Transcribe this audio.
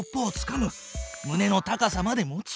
むねの高さまで持ち上げる。